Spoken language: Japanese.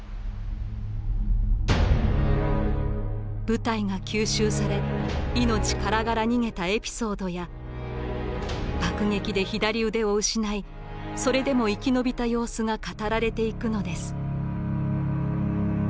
部隊が急襲され命からがら逃げたエピソードや爆撃で左腕を失いそれでも生き延びた様子が語られていくのです。